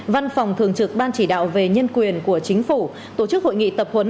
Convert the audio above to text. văn phòng thường trực ban chỉ đạo về nhân quyền của chính phủ tổ chức hội nghị tập huấn